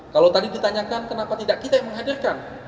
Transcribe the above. kalau tadi ditanyakan kenapa tidak kita yang menghadirkan